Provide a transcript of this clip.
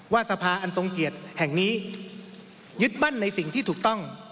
สภาอันทรงเกียรติแห่งนี้ยึดมั่นในสิ่งที่ถูกต้อง